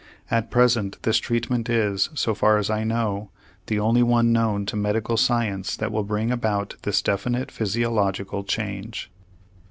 At present this treatment is, so far as I know, the only one known to medical science that will bring about this definite physiological change.